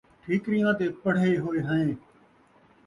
ٹھیکریاں تے پڑھے ہوئے ہیں